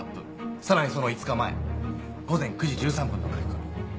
さらにその５日前午前９時１３分の書き込み。